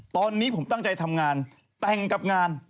ตอนนี้ผมตั้งใจทำงานแต่งกับงาน